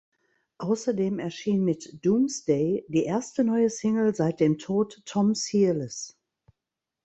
Außerdem erschien mit "Doomsday" die erste neue Single seit dem Tod Tom Searles.